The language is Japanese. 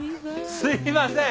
すいません。